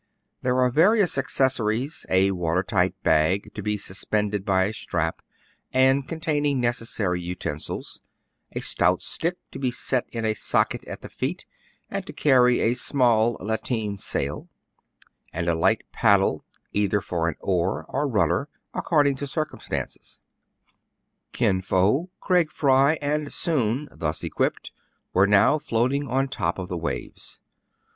^ There are various accessories, — a water tight bag, to be suspended by a strap, and containing necessary utensils; a stout stick, to be set in a socket at the feet, and to carry a small lateen sail ; and a light paddle, either for an oar or rudder, according to circumstances. Kin Fo, Craig Fry, and Soun, thus equipped, were now floating on top of the waves.